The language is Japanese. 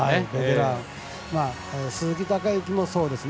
鈴木孝幸もそうですね。